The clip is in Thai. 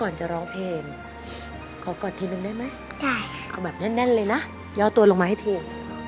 นอนลงมาให้ที